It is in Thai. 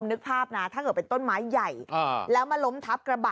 นึกภาพนะถ้าเกิดเป็นต้นไม้ใหญ่แล้วมาล้มทับกระบะ